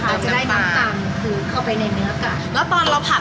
จะได้น้ำปังขึ้นเข้าไปในเนื้อกัน